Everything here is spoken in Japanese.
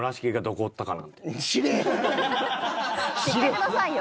知ってくださいよ。